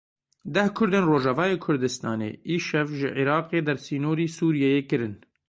Deh kurdên Rojavayê Kurdistanê îşev ji Iraqê dersînorî Sûriyeyê kirin.